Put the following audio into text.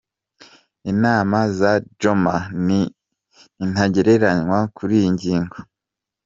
Inama za Joma ni ntagereranywa kuriyi ngingo.